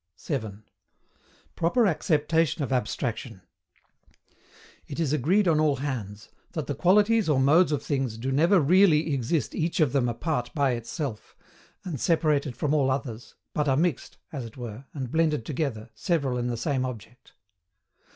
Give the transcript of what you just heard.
7. PROPER ACCEPTATION OF ABSTRACTION. It is agreed on all hands that the qualities or modes of things do never REALLY EXIST EACH OF THEM APART BY ITSELF, and separated from all others, but are mixed, as it were, and blended together, several in the same object.